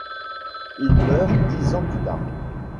Il meurt dix ans plus tard.